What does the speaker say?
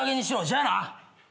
じゃあな！